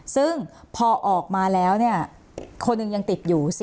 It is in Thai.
ซึ่งพอออกมาแล้วคนหนึ่งยังติดอยู่